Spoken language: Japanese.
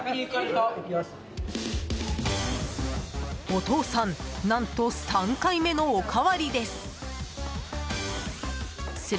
お父さん何と３回目のおかわりです。